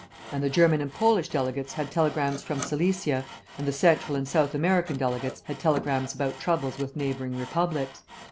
And the German and Polish delegates had telegrams from Silesia, and the Central and South American delegates had telegrams about troubles with neighbouring republics.